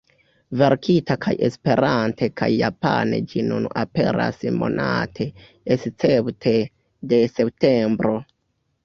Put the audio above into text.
Verkita kaj Esperante kaj Japane ĝi nun aperas monate escepte de septembro.